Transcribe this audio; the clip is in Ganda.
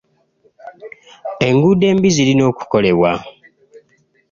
Enguudo embi zirina okukolebwa.